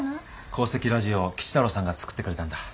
鉱石ラジオを吉太郎さんが作ってくれたんだ。